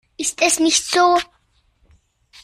Ist es nicht so?